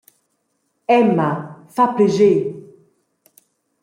Emma, fa plascher.